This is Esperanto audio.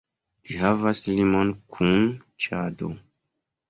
Ĝi havas limon kun Ĉado.